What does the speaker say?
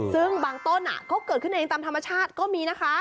ซึ่งบางต้นเขาเกิดขึ้นเองตามธรรมชาติก็มีนะคะ